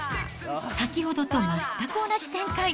先ほどと全く同じ展開。